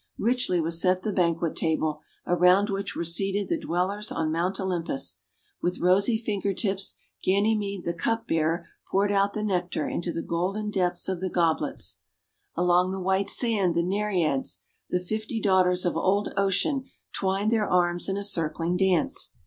Richly was set the banquet table, around which were seated the Dwellers on Mount Olym pus. With rosy finger tips, Ganymede the Cup bearer poured out the Nectar into the golden depths of the goblets. Along the white sand the Nereids, the fifty daughters of Old Ocean, twined their arms in a circling dance.